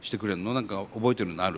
何か覚えてるのある？